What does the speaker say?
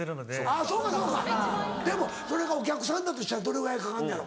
あぁそうかそうかでもそれがお客さんだとしたらどれぐらいかかんねやろ？